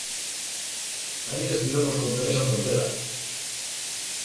Alí estivemos con Teresa Portela.